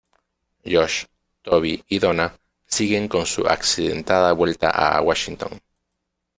Josh, Toby y Donna siguen con su accidentada vuelta a Washington.